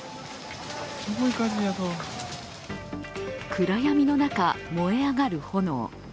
暗闇の中燃え上がる炎。